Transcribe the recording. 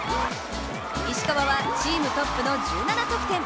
石川はチームトップの１７得点。